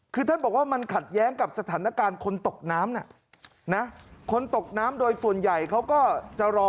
คือท่านบอกว่ามันขัดแย้งกับสถานการณ์คนตกน้ำน่ะนะคนตกน้ำโดยส่วนใหญ่เขาก็จะรอ